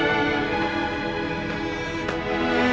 nih gue mau ke rumah papa surya